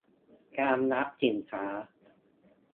การรับสินค้า